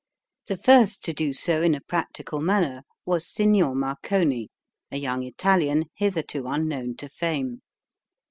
The first to do so in a practical manner was Signer Marconi, a young Italian hitherto unknown to fame.